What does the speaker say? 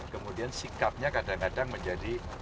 kemudian sikapnya kadang kadang menjadi